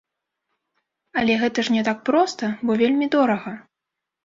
Але гэта ж не так проста, бо вельмі дорага.